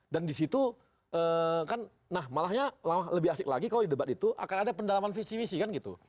dan disitu kan nah malahnya lebih asik lagi kalau di debat itu akan ada pendalaman visi misi kan gitu